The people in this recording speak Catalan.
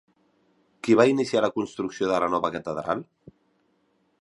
Qui va iniciar la construcció de la nova catedral?